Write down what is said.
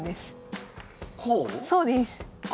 そうです。